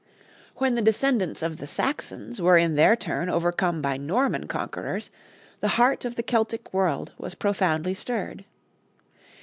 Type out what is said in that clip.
When the descendants of the Saxons were in their turn overcome by Norman conquerors, the heart of the Celtic world was profoundly stirred.